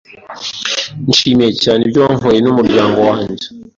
Nishimiye cyane ibyo wankoreye n'umuryango wanjye.